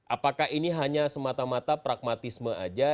apakah ini hanya semata mata pragmatisme aja